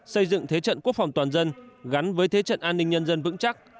xây dựng thế trận quốc phòng toàn dân gắn với thế trận an ninh nhân dân vững chắc